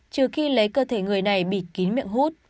trừ khi lấy cơ thể người này bịt kín miệng hút